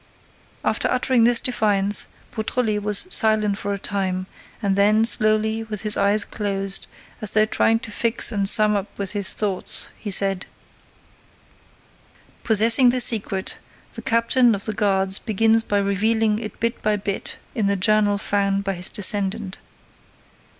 After uttering this defiance, Beautrelet was silent for a time and then, slowly, with his eyes closed, as though trying to fix and sum up his thoughts, he said: "Possessing the secret, the captain of the guards begins by revealing it bit by bit in the journal found by his descendant.